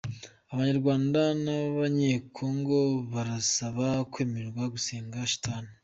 Abanyarwanda n’Abanyekongo barasaba kwemererwa gusenga shitani